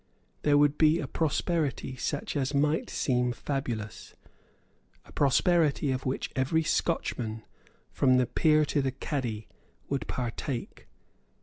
There would be a prosperity such as might seem fabulous, a prosperity of which every Scotchman, from the peer to the cadie, would partake.